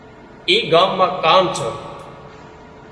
اِي ڳام مان ڪام ڇان